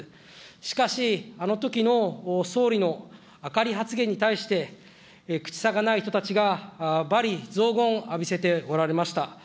しかし、あのときの総理の明かり発言に対して、口さがない人たちが罵詈雑言浴びせておられました。